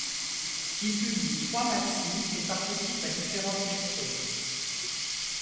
Ils publient trois maxis et participent à différentes mixtapes.